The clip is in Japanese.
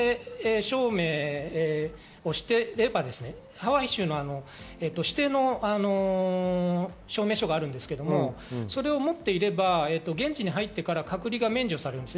ハワイ州の指定の証明書があるんですけれどそれを持っていれば、現地に入ってから隔離が免除されます。